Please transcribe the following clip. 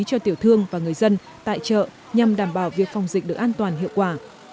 cho tiểu thương và người dân tại chợ nhằm đảm bảo việc phòng dịch được an toàn hiệu quả